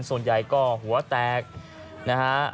ส่วนใหญ่ก็หัวแตกนะฮะ